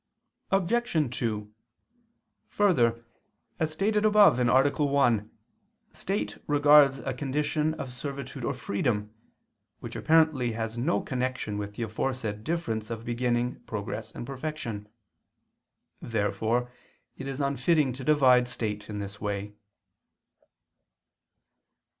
Obj. 2: Further, as stated above (A. 1), state regards a condition of servitude or freedom, which apparently has no connection with the aforesaid difference of beginning, progress, and perfection. Therefore it is unfitting to divide state in this way.